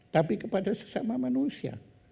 tapi kepada sesama manusia